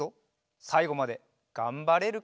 さいごまでがんばれるか？